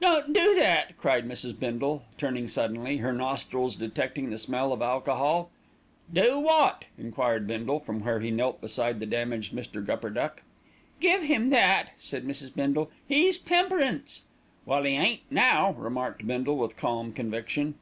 "Don't do that!" cried Mrs. Bindle, turning suddenly, her nostrils detecting the smell of alcohol. "Do what?" enquired Bindle from where he knelt beside the damaged Mr. Gupperduck. "Give him that," said Mrs. Bindle, "he's temperance." "Well, 'e ain't now," remarked Bindle with calm conviction.